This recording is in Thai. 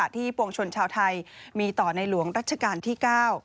ปวงชนชาวไทยมีต่อในหลวงรัชกาลที่๙